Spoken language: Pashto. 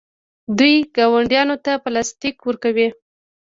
دوی ګاونډیانو ته پلاستیک ورکوي.